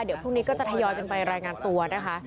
เดี๋ยวพรุ่งนี้ก็จะทยอยกันไปรายงานตัวนะคะ